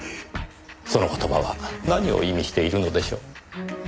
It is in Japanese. その言葉は何を意味しているのでしょう？